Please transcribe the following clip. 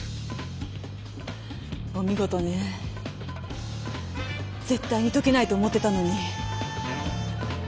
お見事ねぜっ対にとけないと思ってたのに。